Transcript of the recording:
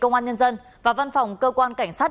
công an nhân dân và văn phòng cơ quan cảnh sát